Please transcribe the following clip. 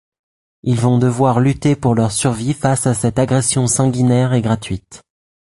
Ils vont devoir lutter pour leur survie face à cette agression sanguinaire et gratuite.